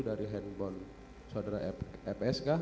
dari handphone saudara fs kah